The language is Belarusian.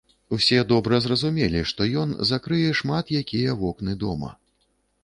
Усе добра зразумелі, што ён закрые шмат якія вокны дома.